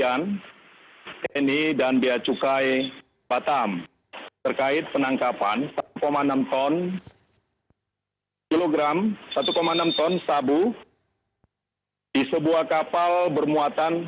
yang kedua diadakan oleh jenderal tito karnavia yang terkait penangkapan satu enam ton sabu di sebuah kapal bermuatan